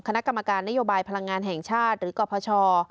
คณะกรรมการนโยบายพลังงานแห่งชาติหรือกรพช